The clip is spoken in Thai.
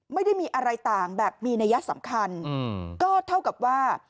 ไม่ได้มีอะไรต่างแบบมีนัยสำคัญก็เท่ากับว่า